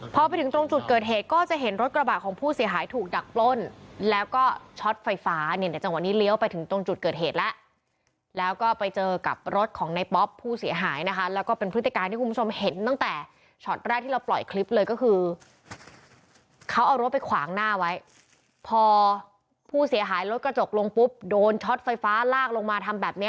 พอไปถึงตรงจุดเกิดเหตุก็จะเห็นรถกระบะของผู้เสียหายถูกดักปล้นแล้วก็ช็อตไฟฟ้าเนี่ยในจังหวะนี้เลี้ยวไปถึงตรงจุดเกิดเหตุแล้วแล้วก็ไปเจอกับรถของในป๊อปผู้เสียหายนะคะแล้วก็เป็นพฤติการที่คุณผู้ชมเห็นตั้งแต่ช็อตแรกที่เราปล่อยคลิปเลยก็คือเขาเอารถไปขวางหน้าไว้พอผู้เสียหายรถกระจกลงปุ๊บโดนช็อตไฟฟ้าลากลงมาทำแบบนี้